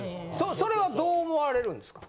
それはどう思われるんですか？